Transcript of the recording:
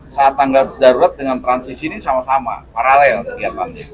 saat tanggap darurat dengan transisi ini sama sama paralel kegiatan